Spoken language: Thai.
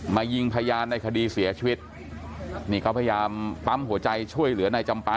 ยิงพยานในคดีเสียชีวิตนี่เขาพยายามปั๊มหัวใจช่วยเหลือในจำปา